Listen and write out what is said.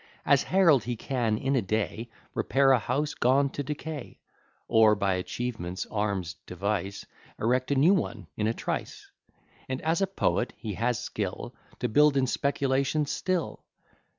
As Herald, he can in a day Repair a house gone to decay; Or, by achievements, arms, device, Erect a new one in a trice; And as a poet, he has skill To build in speculation still.